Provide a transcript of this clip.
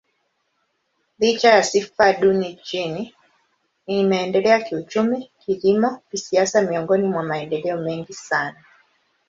Licha ya sifa duni nchini, imeendelea kiuchumi, kilimo, kisiasa miongoni mwa maendeleo mengi sana.